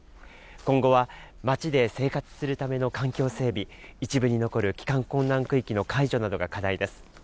今後は町で生活するための環境整備、一部に残る帰還困難区域の解除などが課題です。